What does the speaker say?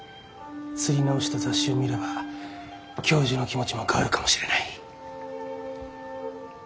刷り直した雑誌を見れば教授の気持ちも変わるかもしれない。